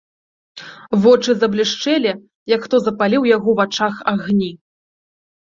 Вочы заблішчэлі, як хто запаліў у яго вачах агні.